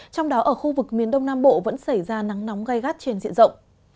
trong đó ở khu vực miền đông nam bộ vẫn xảy ra nắng nóng gai gắt trên diện rộng